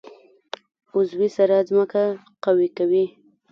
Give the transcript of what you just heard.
عضوي سره ځمکه قوي کوي.